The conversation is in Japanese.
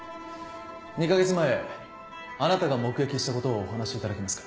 ２カ月前あなたが目撃したことをお話しいただけますか。